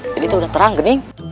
jadi itu udah terang ya min